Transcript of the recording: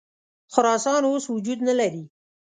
خراسان اوس وجود نه لري.